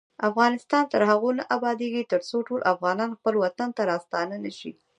افغانستان تر هغو نه ابادیږي، ترڅو ټول افغانان خپل وطن ته راستانه نشي.